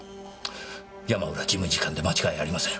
山浦事務次官で間違いありません。